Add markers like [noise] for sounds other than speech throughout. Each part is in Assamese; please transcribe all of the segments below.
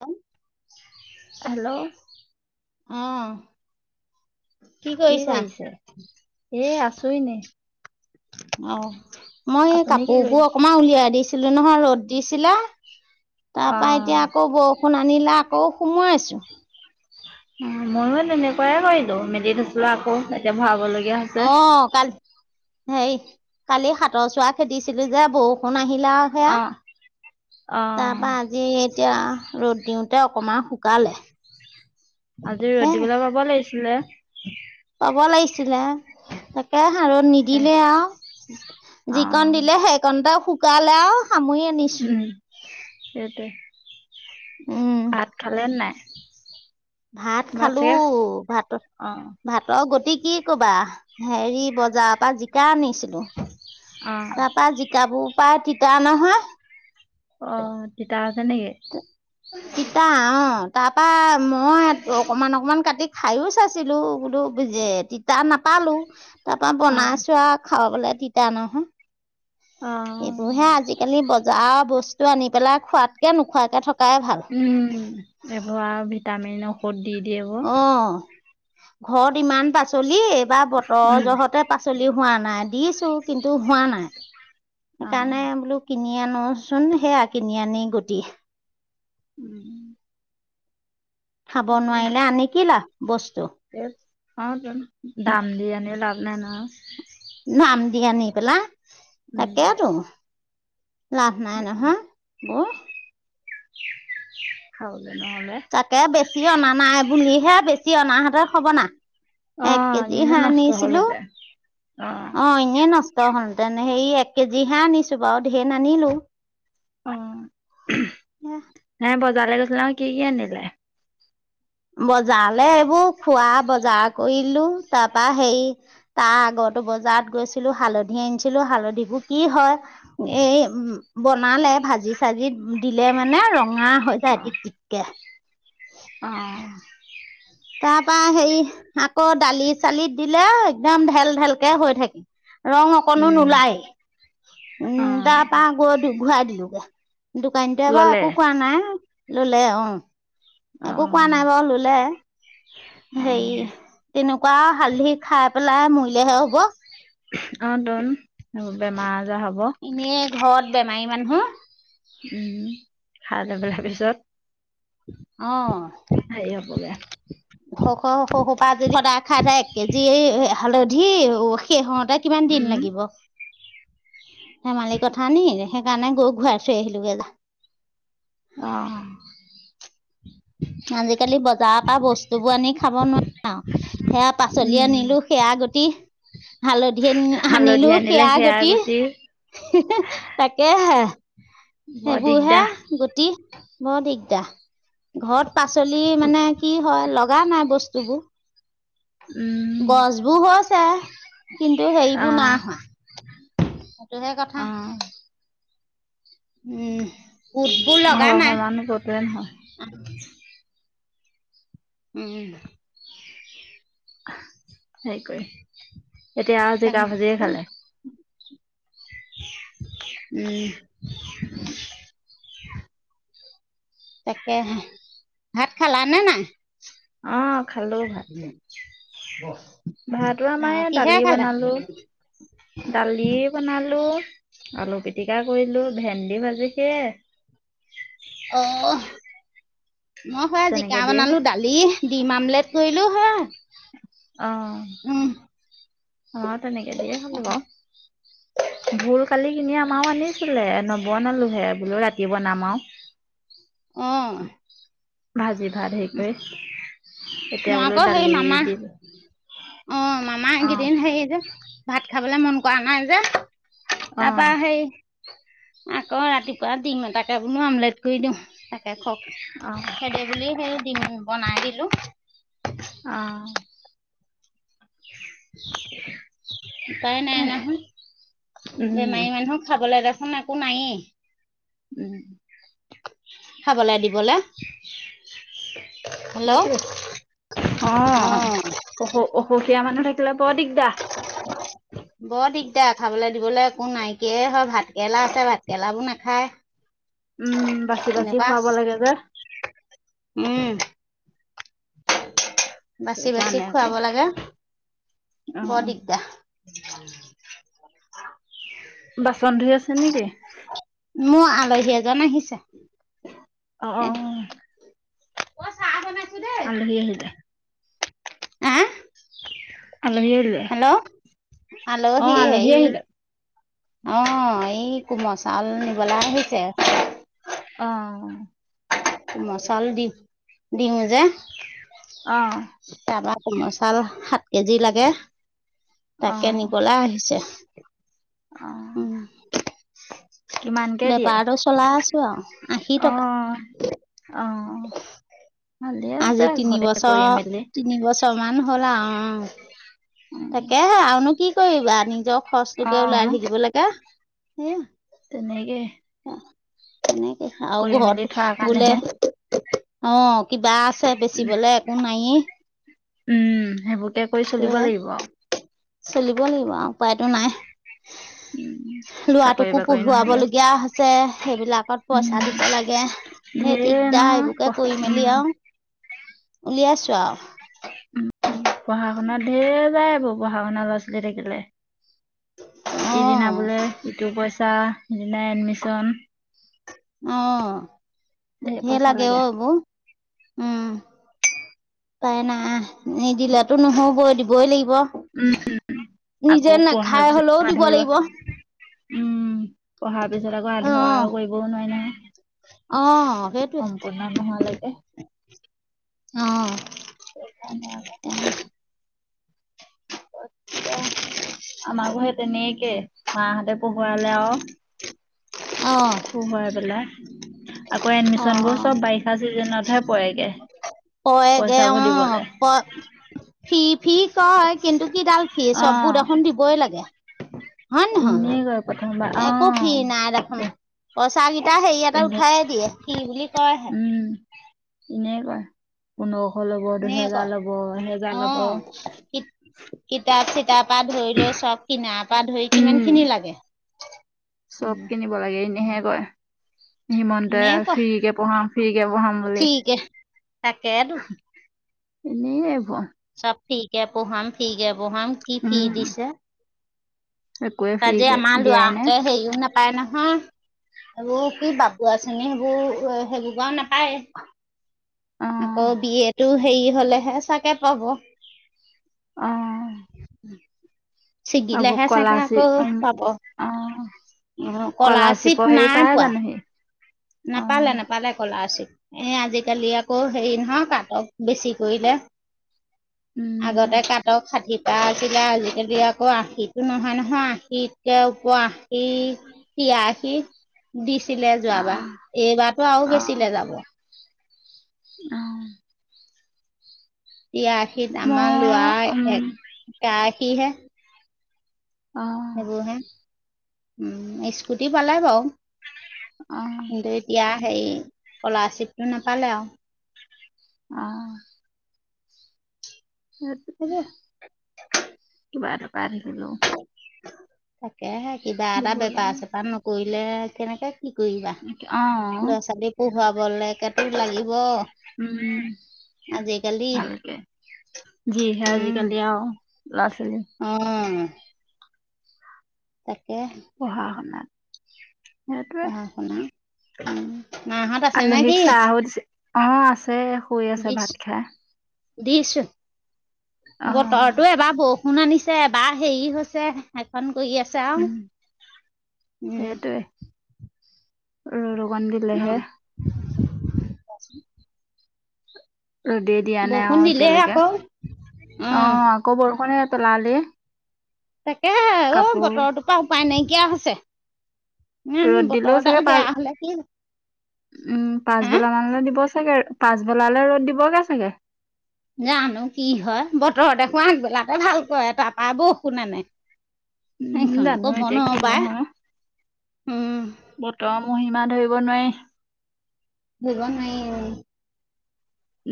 হ হেল্ল' আহ কি কৰিছে এ আছো ন অ মই এই আপুনি কি কাপোৰবোৰ কৰিছে অকমান উলিয়াই দিছো ছিলো নহয় ৰ'দ দিছিলা অ তাৰ পৰা এতিয়া আকৌ বৰষুণ আনিলা আকৌ সোমাই আছো অ ময়ো তেনেকুৱাইে কৰিলো মেলি থৈছিলো আকৌ এতিয়া ভৰাবলৈ অ কালি হে কালি হাতৰ চোৱা খেদিছিলো যে বৰষুণ আহিল পলাও অ অ সেয়া তাৰ পৰাা আজি এতিয়া ৰ'দ দিওঁতে অকমান শুকালে আজি হে ৰ'দ দিবলৈ পাব লাগিছিলে পাব লাগিছিলে তাকে সাৰত নিদিলে আৰু অ যিকণ দিলে সেইকণটা শুকালে আৰু সামৰি আনিছো। উম সেইট উম, ভাত খালে নাই ভাত খালো ভাত অ ভাতৰ গট তু কি কবা হেৰি বজাৰৰ পৰা জিকা আনিছিলো অ তাৰপা জিকাবোৰ পাই তিতা নহয় অ তিতা আছে নেকি তিতা অ তাৰপা মই অকমান অকমান কাটি খাইও চাইছিলো বোলো ব যে তিতা নাপা ালো তাৰ পৰাা অ বনাইছো আৰু খাবাবলে তিতা নহয় অ এইবোৰ হে আজিকালি বজাৰৰ বস্তু আনি পেলাই খোৱাতকে নোখোৱাকে থকা উম এইবোৰ ভিটামিন ঔষধ দি দিয়ে বোৰ অ ঘৰত ইমান পাচলি এইবাৰ বতৰ উম জহতে পাচলি হোৱা নাই দিছো কিন্তু হোৱা নাই অ সেইকাৰণে বোলো কিনি আনোচোন সেয়া কিনি আনি গুটি উম খাব নোৱাৰিলে আনি কি লাভ বস্তু অ দাম দি আনি লাভ ন না দাম দি আনি পেলাই উম তাকেতো লাভ নাই নহয় বৌ হ তাকে বেছি অনা নাই বুলিহে বেছি অনাহঁতৰ হব না এক অ' কেজি এনে হে নষ্ট হ'ল আনিছিলো হেতেন অ এনেই নষ্ট হল ন সেৰি এক কেজিহে আনিছো বাৰু ধেন আনিলো অ হে বজাৰ গৈছিল কি কি আনিলে বজালালে এইবোৰ খোৱা বজাৰ কৰিলো তাৰ পৰা সেই তাৰ আগত বজাৰত গৈছিলো হালধি আনিছিলো হালধিবোৰ কি হয় এই বনালে ভাজি চাজি দিলে মানে ৰঙা হৈ যায় এতি কিটকে আহ তাৰ পৰা হেৰি আকৌ দালি চালিত দিলে একদম ঢেল ঢেলকে হৈ থাকে ৰং অকণো উম। নোলায় উম অ' তাৰপা আ গৈ ঘূৰাাই দিলোোগে দোকানীতে বা ল'লে একো কোৱা নাই ললে অ অ' একো কোৱা নাই বাৰু ললে হেৰি অ' তেনেকুৱা কুকা হালধি খাই পেলাই মৰিলেহে হব অ' তোন, বেমাৰ আজাৰ হ'ব। এনেই ঘৰত বেমাৰী মানহো উম, খা [unintelligible] পিছত অ'। হেৰি হ'বগে ঘ ঘ সৰু খোপায়ে যদি সদায় খাই থাকে এক কেজি এই এ হালধি ও শেহ হওঁতে কিমান দিন উম। লাগিব? ধেমালি কথা নি, সেইকাৰণে গও ঘূৰাই থৈ আহিলোগে যা। অ'। আজিকালি বজায় পা বস্তুবোৰ আনি খাব নোৱাৰ'। সেয়া পাচলি উম আনিলো সেয়া গুটি, হালধি আন আহ আনিলো সেয়া গুটি হিহেহ, তাকে হে। বৰ সেইবোৰহে দিগদাৰ গুটি বৰ দিগদাৰ। ঘৰত পাচলিৰ মানে কি হয়, লগা নাই বস্তুবোৰ। উম গছবোৰ হৈছে। কিন্তু হেইবোৰ অ'। নাই হোৱা সেইটোহে কথা। অ উম, গোটবোৰ ঘৰৰ লগাম সমানো কতোৱে নহয় আ উম। হেই কৰি, এতিয়া আও তাকে জিকা ভাজিয়ে খালে। উম। তাকেহে, ভাত খালানে নাই? অ', খালো ভাত। বাহ ভাতো আমাৰ দালি বনালো। দালি বনালো আলু পিটিকা কৰিলো, ভেন্দি ভাজি সেয়াই অ মই খৰা তেনেকে জিকা দিয়ে হ'ল বনালো, দালি, ডিম আমলেট কৰিলো হেয়াই অ'। অ', তেনেকে দিয়ে খালো আও ভোল কালি কিনি আমাৰও আনিছিলে নবনালোহ, বোলো ৰাতি বনাম আও। [inaudible] অ'। ভাজি ভাত হেৰি কৰি, মই এতিয়া বোলো আকৌ সেই দালি মামা দিম। অ', মামা এইকেইদিন হেৰি যে ভাত খাবলে মন কৰা নাই যে। অ তাৰপা হেই আকৌ ৰাতিপুৱা ডিম এতাকে বোলো আমলেট কৰি দিওঁ তাকে খক অ হেৰি বুলি, হেই ডিম বনাই দিলো। অ'। [inaudible] উপায় নাই নহয়। উম বেমাৰী মানুহক খাবলৈ দে খোন একো নায়ে। উম। খাবলৈ দিবলে সেইটোৱে। অ'। অঁ অসু অসুখীয়া মানুহ থাকিলে বৰ দিগদাৰ বৰ দিগদাৰ, খাবলে দিবলৈ একো নাইকিয়াই হয় ভাত কেলা আছে ভাত কেলাবোৰ নাখায়। উম, বাচি বাচি তেনেকুৱা খুৱাব লাগে যে। [inaudible] উম বাচি বাচি সেইকাৰণে আকৌ খুৱাব লাগে, অ বৰ দিগদাৰ। [inaudible] বাচন ধুই আছে নেকি? মোৰ আলহী এজন আহিছে। অ [inaudible] অ চাহ বনাম আলহি আহিলে [unintelligible] আহ আলহি আহিলে অ আলহি' আলহী হেয় আহিলে অহ এই কোমল চাউল নিবলৈয় আহিছে অ মচাল দি দিওঁ যে অ কমচাল সাত কেজি লাগে অ তাকে নিবলৈ আহিছে। অ উম কিমানকে [inaudible] দিয়ে বেপাৰতটো চলাই আছো আৰু আশী অ টকা অ [inaudible] ভালে আছে আজি ঘৰতে কৰি তিনিবছৰ মেলি তিনিবছৰ মান হ'ল আৰু [inaudible] তাকে হে আৰুনো কি কৰিবা নিজৰ অ খৰচটোকে ওলাই থাকিব লাগে তেনেকে তেনেকে কৰি আৰু মেলি ঘৰত থোৱাৰ বোলে কাৰণেহে অ কিবা চা বেচিবলে একো নাই এ উম সেইবোৰকে কৰি চলিব লাগিব আৰু চলিব লাগিব আৰু উপায়টো নাই। [unintelligible] চাকৰি ল'ৰাটোকো বাকৰি পঢ়াব নহলে লগীয়া হৈছে সেইবিলাকত পইচা উম, দিব লাগে। সেই ঢেৰ দিগদাৰ নহয় প এইবোৰকে কৰি উম, মেলি আৰু উলিয়াছো আৰু। উম পঢ়া শুনাত ধেৰ যায় এইবোৰ পঢ়া শুনা ল'ৰা-ছোৱালী থাকিলে। অ, এইদিনা বোলে ইটো পইচা সিদিনা এডমিশন অ, ধেৰ লাগে অ' উম, এইবোৰ, উম উপায় নাই। নিদিলেটো নহ'বই দিবই লাগিব লাগিব আকৌ নিজে পঢ়াৰ নাখাই পিছত হ'লেও দিব আধৰুৱা লাগিব। উম, পঢ়াৰ পিছত আকৌ অ আধৰুৱা কৰিবও নোৱাৰি নহয়। অ' সম্পূৰ্ণ নোহোৱালৈকে। সেইটোৱে অ' উপায় নাই আকৌ। এতিয়া আমাকো সেই তেনেকে মাহঁতে পঢ়োৱালে অ আৰু পঢ়োৱাই পেলাই আকৌ অ এডমিশচনবোৰ চব বাৰিষা চিজনতহে পৰেগে। কৈয়গে পইচাবোৰ উম, দিবলে ফ্ৰি ফ্ৰি কয় কিন্তু কি ডাল ফ্ৰি চববোৰ অ'। দেখোন দিবই লাগে। হয় নহয় এনেই কয় প্ৰথমবাৰ অ একো ফ্ৰি নাই দেখোন। পইচাকেইটা হেৰি এটাটে পোন্ধ উঠাই দিয়ে কি বুলি কয় হে এনে কয় কোনো [unintelligible] ল'ব নে দুহেজাৰ কয় ল'ব এহেজাৰ অ ল'ব কিতাপ চিতাপ পৰা ধৰি লৈ চব কিনাৰ পৰা ধৰি কিমান উম খিনি লাগে। চব উম কিনিব লাগে এনেহে কয় হিমন্তে এনে কোৱা ফি্ৰীকে পঢ়া। বাম বুলি ফ্ৰীকে তাকেতো এনেই ভোৱা চব ঠিকে পহাম ফঠিকে পহাম কি ফি উম দিছে একোৱে তাজে ফ্ৰীকে আমাৰ দিয়াই নাই লৰাঁতে হেৰিও নাপায় নাপায় নহয় এইবোৰ কি বাপু আচনী সেইবোৰ সেইবোৰ গও নাপায়। অ আকৌ বিয়টো হেৰি হলেহে চাগে পাব, উম ছিগিলেহে চাগে আকৌ উম পাব, অ অ কলাশিপৰ স্কলাৰশ্বিপ হেৰি নাই পাই পোৱা? জানো সি অ নাপালে নাপালে কলাশিপ এ আজিকালি আকৌ হেৰি ন হ কাটক বেছি কৰিলে। আগতে উম কাটক ষাঠি তাৰ আছিলে আজিকালি আকৌ আশীতটো নহয় নহয় আশীতকে ওপৰ আশী তিৰাশী দিছিলে অ যোৱাবাৰ। এইবাৰো আৰু বেচিলে যাব। আহ'। তিৰা আশীত আমাৰ মই লৰা উম একশীহে অ সেইবোৰ হে। উম, স্কুটি পালে বাৰু। অহ কিন্তু এতিয়া সেই স্কলাৰশ্বিপটো নাপালে আৰু। অহ '। সেইবোৰ কিবা এটা পাই [unintelligible] তাকেহে কিবা এটা দিব বেপাৰ, লাগে চেপাৰ নকৰিলে কেনেকে কি কৰিবা? অ ল'ৰা ছোৱালী পঢ়োৱাব লেকেতো লাগিব। উম, আজিকালি [unintelligible] যিহে আজিকালি আৰু। ল'ৰা ছোৱালী অ' তাকে। পঢ়া শুনা পঢ়া শুনা। উম, মাহঁত আছে নে আলহীক কি? চাহো দিছে অ', আছে, শুই আছে ভাত খাই। দিছোঁ। অ বতৰতো এবাৰ বৰষুণ আনিছে, এবাৰ হেৰি হৈছে সেইখন। কৰি আছে আৰু, উম উম। সেইটোৱে ৰ'দ অকন অ দিলেহে। ৰ'দেই দিয়া নাই বৰষুণ অ', দিলেই এতিয়ালৈকে আকৌ অ', আকৌ বৰষুণ সেইয়া পেলালেই। তাকে অ', বতৰটোৰ পৰা উপায় নাইকিয়া হৈছে। ইমান ৰ'দ দিলেও বতৰডাল চাগে বেয়া হলে কি পা-উম, হা পাছবেলা মানলৈ দিব চাগে পাছবেলালে ৰ'দ দিবগে চাগে। জানো কি হয়, বতৰ দেখোন আগবিলাতে ভাল কৰে, তাপা বৰষুণ আনে। উম, সেইখন জানো ক'ব এতিয়া কি নোৱাৰোঁ পাই। নহয় উম বতৰৰ মহীমা ধৰিব নোৱাৰি। ধৰিব নোৱাৰি উম।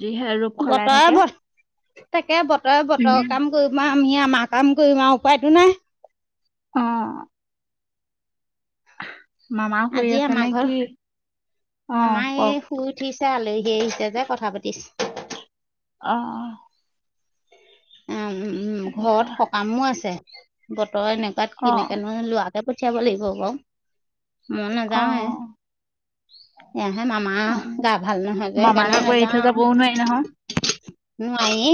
যিহে ৰূপ সলাই বতৰে থাকে। ব-তাকে বতৰে, বতৰ উম। কাম কৰিব আমি আমাৰ কাম কৰিম আৰু উপায়তো নাই। অ'। মামাও শুই আজি আছে আমাৰ নে ঘৰ কি? অ', মামাই কওক শুই উঠিছে আলহী আহিছে যে কথা পাতিছে। অ'। উ, উম, ঘৰত সকামো আছে ত এনেকুৱাত অ', অ', কেনেকে নহয় লৰাকে পঠিয়াব লাগিব বাৰু মই নাযাওঁ হে। অ', এয়াহে মামা অ', গা ভাল নহয় যে মামাক সেইকাৰণে আকৌ এৰি থৈ নাযাওঁ। যাবও নোৱাৰি [inaudible] নাইি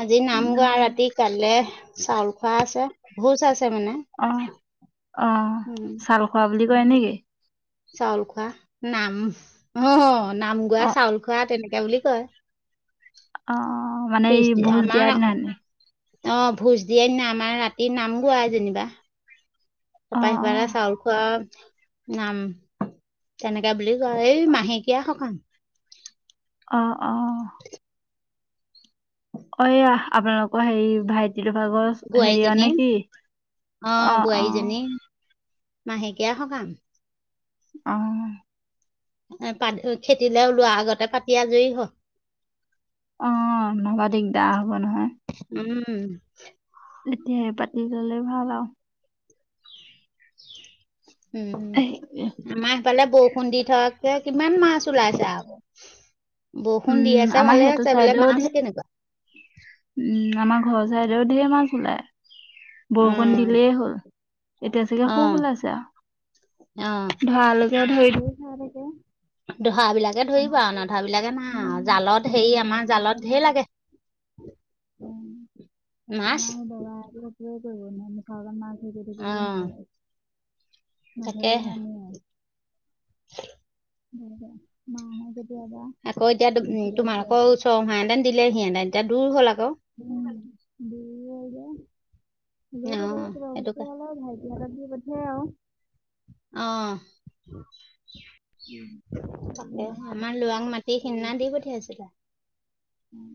আজি নাম গোৱা উম, ৰাতি কাইলৈ চাউল খোৱা আছে। ভোজ আছে মানে অ', অ, উম চাউল খোৱা বুলি কয় নেকি? চাউল খোৱা। নাম অহ, নাম গোৱা অ', চাউল খোৱা তেনে তেনেকে বুলি কয়। অ, মানে এই ভোজ দিয়াৰ দিনাখনি। অহ, ভোজ দিয়েনা আমাৰ ৰাতি নামগোৱাই যেনিবা অ', তাৰপা সফাল অ', চাউল খোৱা নাম তেনেকাে বুলি এই মাহেকীয়া সকাম। অ - অ। অ, এয়া আপোনালোকৰ হেৰি ভাইটি। তিটোভাগৰ হেৰিয় বোৱাৰীজনী নে কি অ - অ। মাহেকীয়া সকাম। অহ ', পা খেতিলেলৈ ওলোৱা আগতে পাতি আজুৰি হল। অ, নব দিগদা হ'ব নহয়। উম তেতিয়াহে পাতি ল'লে ভাল আৰু। উম, এ আমাৰ সেইফালে বৰষুণ দি থোৱাকে। কিমান মাছ ওলাইছে আ বৰষুণ দি উম আছে আমাৰ ভালে সেইটো আছে বোলে চাইডেও মাছ ধেৰ কেনেকুৱা উম, আমাৰ ঘৰৰ চাইদেউও ধৰ মাছ ওলায়। বৰষুণ উম দিলেই হ'ল এতিয়া চাগে ক' উলাইছে আৰু। অহ ', ক ধৰিলক। ধৰা বিলাকে ধৰিব আৰু নধৰা বিলাকে নাই জালত হেৰি আমাৰ জালত ধেৰ লাগে। উম, মাছ আমাৰ দব নাই মুখাগৰ নাই থে গে গ অ ল। মঘ ন আ - আ। হয়। ব নান আকৌ এতিয়াম তোমাৰোকক ওৰহাহতেন দিলে সিহতেন এতিয়া দূৰ হ'ল আকৌ উম, দুৰ হৈ যে। লৈ অ', কিবাত [unintelligible] সেইটো কা হল আৰু ভাইটিৰ হাতত দি পঠিয়ায় আৰু। অ', উম, তাকে আমাৰ লৰাাক মাটি সিনা দি পঠিয়াইছিলা উম,